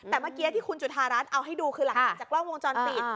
แต่เมื่อกี้ที่คุณจุธารัฐเอาให้ดูคือหลักฐานจากกล้องวงจรปิด